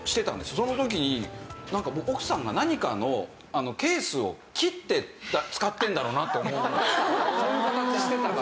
その時に奥さんが何かのケースを切って使ってるんだろうなって思うそういう形してたから。